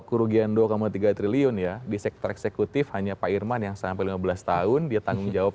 kerugian dua tiga triliun ya di sektor eksekutif hanya pak irman yang sampai lima belas tahun dia tanggung jawab